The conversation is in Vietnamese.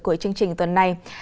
của chương trình tuần này